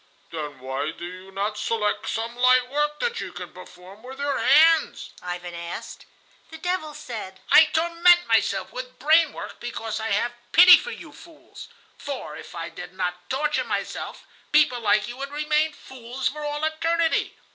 "Then why do you not select some light work that you can perform with your hands?" Ivan asked. The devil said: "I torment myself with brain work because I have pity for you fools, for, if I did not torture myself, people like you would remain fools for all eternity.